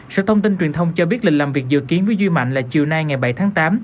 sở thông tin truyền thông cho biết lịch làm việc dự kiến với dư mạnh là chiều nay ngày bảy tháng tám